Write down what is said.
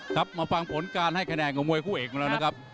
ครับมาฟังผลการให้คะแนนของมวยคู่เอกของเรานะครับ